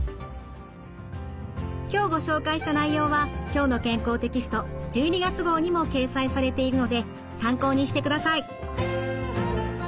今日ご紹介した内容は「きょうの健康」テキスト１２月号にも掲載されているので参考にしてください。